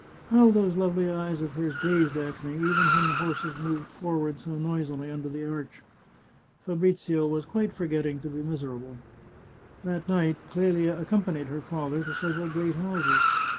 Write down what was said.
' How those lovely eyes of hers gazed at me, even when the horses moved forward so noisily under the arch !" Fabrizio was quite forgetting to be miserable. That night Clelia accompanied her father to several great houses.